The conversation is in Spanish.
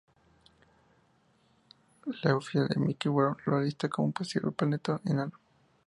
La web oficial de Mike Brown lo lista como un posible planeta enano.